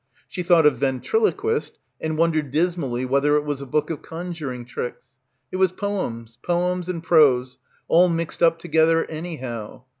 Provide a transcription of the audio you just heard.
She thought of ventriloquist and wondered dismally whether it was a book of con juring tricks. It was poems, poems and prose, all mixed up together anyhow.